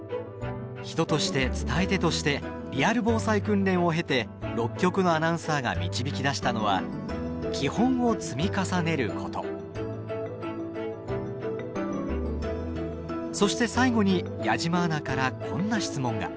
人として伝え手として「リアル防災訓練」を経て６局のアナウンサーが導き出したのはそして最後に矢島アナからこんな質問が。